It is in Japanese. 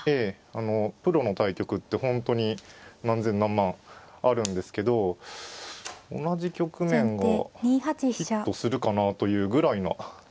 あのプロの対局って本当に何千何万あるんですけど同じ局面がヒットするかなというぐらいの。